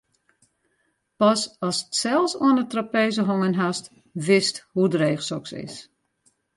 Pas ast sels oan 'e trapeze hongen hast, witst hoe dreech soks is.